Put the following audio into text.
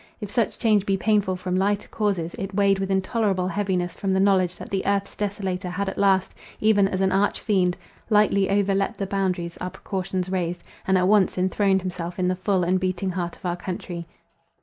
If such change be painful from lighter causes, it weighed with intolerable heaviness from the knowledge that the earth's desolator had at last, even as an arch fiend, lightly over leaped the boundaries our precautions raised, and at once enthroned himself in the full and beating heart of our country.